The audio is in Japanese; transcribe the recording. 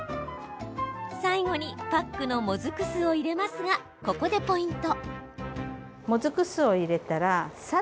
最後にパックのもずく酢を入れますが、ここでポイント。